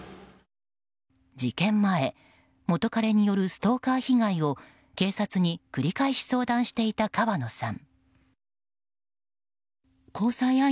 事件前元カレによるストーカー被害を警察に繰り返し相談していた川野さん。